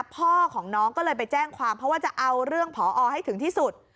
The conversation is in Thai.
พ่อของน้องก็เลยไปแจ้งความเพราะว่าจะเอาเรื่องผอให้ถึงที่สุด